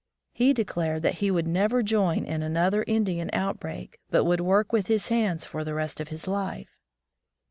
He declared that he would never join in another Indian outbreak, but would work with his hands for the rest of his life.